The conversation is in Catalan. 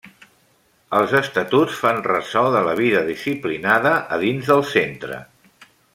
Els Estatuts fan ressò de la vida disciplinada a dins del centre.